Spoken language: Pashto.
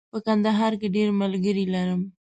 په کندهار کې ډېر ملګري لرم.